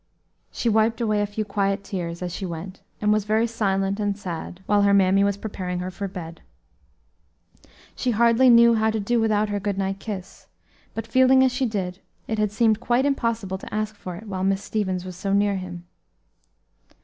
She wiped away a few quiet tears, as she went, and was very silent and sad, while her mammy was preparing her for bed. She hardly knew how to do without her good night kiss, but feeling as she did, it had seemed quite impossible to ask for it while Miss Stevens was so near him.